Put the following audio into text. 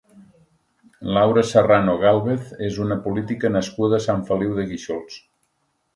Laura Serrano Gálvez és una política nascuda a Sant Feliu de Guíxols.